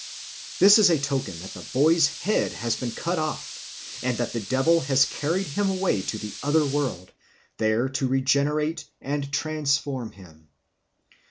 This is a token that the boy's head has been cut off, and that the devil has carried him away to the other world, there to regenerate and transform him.